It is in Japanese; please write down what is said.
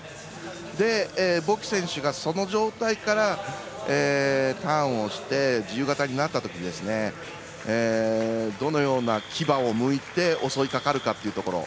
で、ボキ選手がその状態からターンをして自由形になったときどのような牙をむいて襲いかかるかというところ。